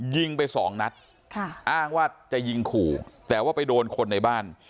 ยิงไปสองนัดค่ะอ้างว่าจะยิงขู่แต่ว่าไปโดนคนในบ้าน